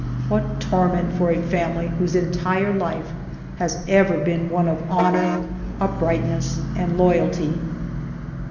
What torment for a family whose entire life has ever been one of honor, uprightness, and loyalty